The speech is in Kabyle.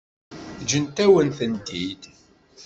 Ǧǧant-awen-tent-id.